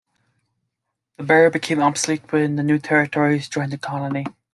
The barrier became obsolete when the New Territories joined the colony.